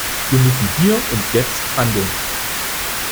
Wir müssen hier und jetzt handeln!